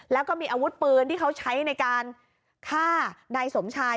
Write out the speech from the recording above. แล้วก็มีอาวุธปืนที่เขาใช้ในการฆ่านายสมชาย